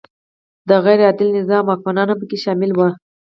د غیر عادل نظام واکمنان هم پکې شامل وي.